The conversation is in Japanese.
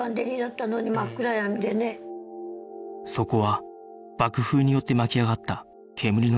そこは爆風によって巻き上がった煙の中